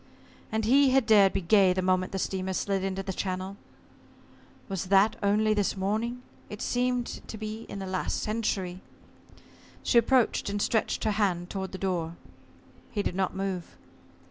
And he had dared be gay the moment the steamer slid into the channel! Was that only this morning? It seemed to be in the last century. She approached, and stretched her hand toward the door. He did not move.